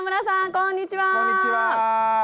こんにちは。